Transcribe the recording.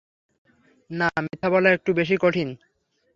না মিথ্যা বলা একটু বেশি কঠিন।